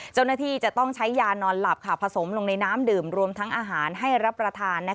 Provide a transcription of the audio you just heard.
เจ้าหน้าที่จะต้องใช้ยานอนหลับผสมลงในน้ำดื่มรวมทั้งอาหารให้รับประทาน